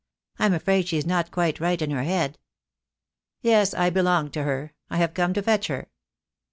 I'm afraid she's not quite right in her head." "Yes, I belong to her. I have come to fetch her."